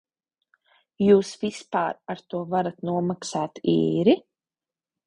Jūs vispār ar to varat nomaksāt īri?